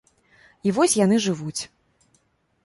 І вось яны жывуць.